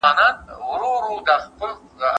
خپل لاس کار سوي شیانو کوچنی موزیم هم سته.